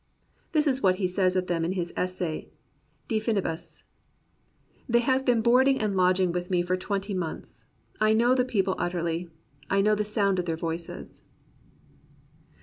This is what he says of them in his essay "Z)e Fini bus'\' "They have been boarding and lodging with me for twenty months. ... I know the people ut terly, — I know the sound of their voices."